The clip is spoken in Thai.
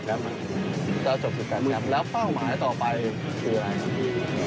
จะจบ๑๘เมืองแล้วเป้าหมายต่อไปคืออะไรครับ